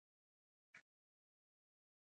باید په نقشه کې ډیر دقت وشي